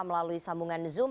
melalui sambungan zoom